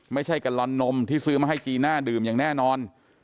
กัลลอนนมที่ซื้อมาให้จีน่าดื่มอย่างแน่นอน